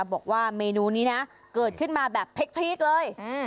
บอกว่าเมนูนี้นะเกิดขึ้นมาแบบพริกเลย